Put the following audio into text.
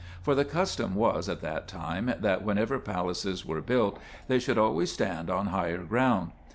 For the custom was at that time that, whenever palaces were built, they should always stand on higher ground.